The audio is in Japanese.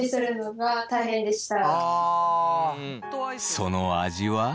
その味は？